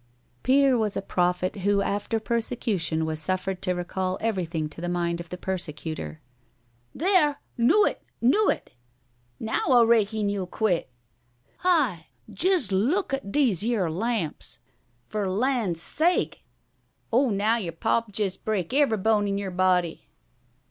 Peter was a prophet who after persecution was suffered to recall everything to the mind of the persecutor. "There! Knew it! Knew it! Now I raikon you'll quit. Hi! jes look ut dese yer lamps! Fer lan' sake! Oh, now yer pop jes break ev'ry bone in yer body!"